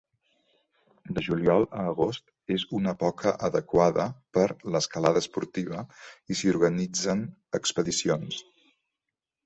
De juliol a agost és una poca adequada per l'escalada esportiva i s'hi organitzen expedicions.